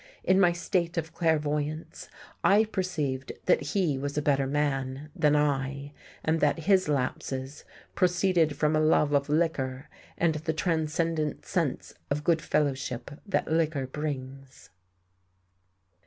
In my state of clairvoyance I perceived that he was a better man, than I, and that his lapses proceeded from a love of liquor and the transcendent sense of good fellowship that liquor brings.